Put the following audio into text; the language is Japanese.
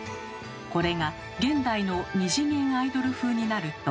これが現代の２次元アイドル風になると。